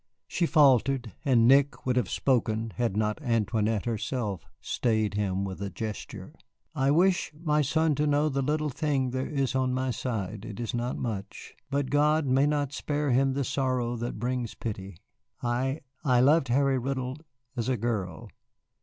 She faltered, and Nick would have spoken had not Antoinette herself stayed him with a gesture. "I wish my son to know the little there is on my side. It is not much. Yet God may not spare him the sorrow that brings pity. I I loved Harry Riddle as a girl.